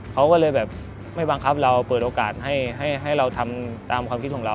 เขาก็เลยแบบไม่บังคับเราเปิดโอกาสให้เราทำตามความคิดของเรา